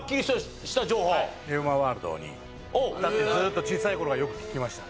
レオマワールドに行ったってずっと小さい頃はよく聞きました。